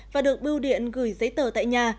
và được bưu điện gửi giấy tờ tại nhà